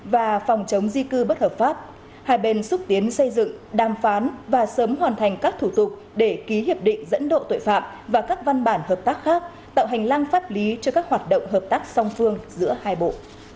và phòng chống di cư bất hợp pháp hai bên xúc tiến xây dựng đàm phán và sớm hoàn thành các thủ tục để ký hiệp định dẫn độ tội phạm và các văn bản hợp tác khác tạo hành lang pháp lý cho các hoạt động hợp tác song phương giữa hai bộ